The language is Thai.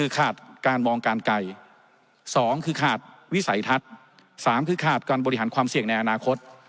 ขาดการมองการไกล๒คือขาดวิสัยทัศน์๓คือขาดการบริหารความเสี่ยงในอนาคต